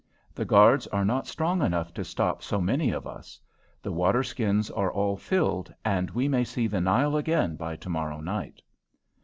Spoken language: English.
The guards are not strong enough to stop so many of us. The waterskins are all filled, and we may see the Nile again by to morrow night."